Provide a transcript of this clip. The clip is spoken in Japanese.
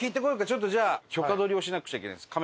ちょっとじゃあ許可取りをしなくちゃいけないんです